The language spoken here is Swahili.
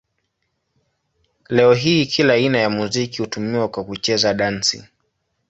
Leo hii kila aina ya muziki hutumiwa kwa kucheza dansi.